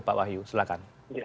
pak wahyu silakan